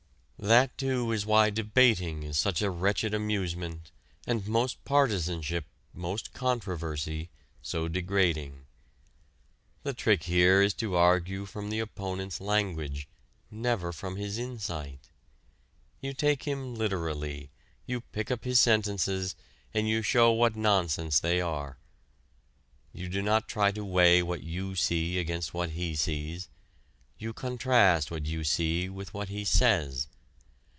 That too is why debating is such a wretched amusement and most partisanship, most controversy, so degrading. The trick here is to argue from the opponent's language, never from his insight. You take him literally, you pick up his sentences, and you show what nonsense they are. You do not try to weigh what you see against what he sees; you contrast what you see with what he says.